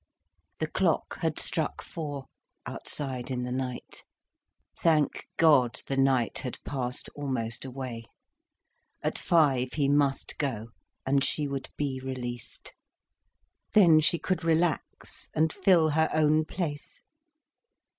The clock had struck four, outside in the night. Thank God the night had passed almost away. At five he must go, and she would be released. Then she could relax and fill her own place.